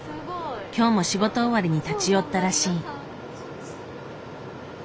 今日も仕事終わりに立ち寄ったらしい。